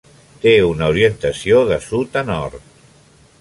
Té una orientació de sud a nord.